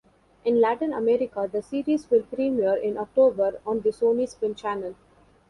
In Latin America, the series will premiere in October on the Sony Spin channel.